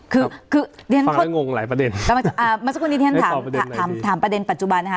คือคือฟังได้งงหลายประเด็นอ่ามันสักวันนี้ที่ท่านถามถามประเด็นปัจจุบันนะฮะ